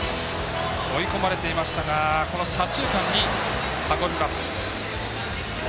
追い込まれていましたが左中間に運びます。